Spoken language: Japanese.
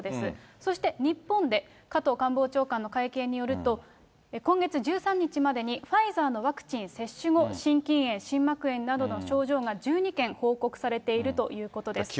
そして、日本で加藤官房長官の会見によると、今月１３日までにファイザーのワクチン接種後、心筋炎、心膜炎などの症状が１２件報告されているということです。